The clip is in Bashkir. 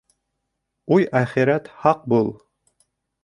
Уй, әхирәт... һаҡ бул!